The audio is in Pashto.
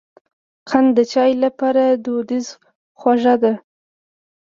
قند د چای لپاره دودیزه خوږه ده.